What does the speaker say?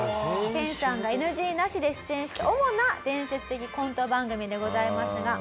研さんがＮＧなしで出演した主な伝説的コント番組でございますが。